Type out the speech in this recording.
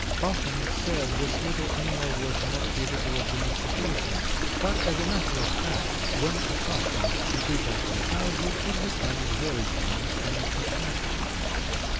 Buffon said this little animal was not capable of domestication, but as a matter of fact, when accustomed to people from childhood, it becomes very tame and attractive.